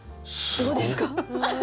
どうですか？